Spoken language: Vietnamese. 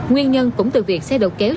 nguyên nhân cũng từ việc xe đầu kéo